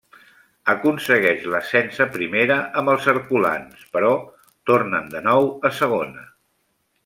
Aconsegueix l'ascens a Primera amb els herculans, però tornen de nou a Segona.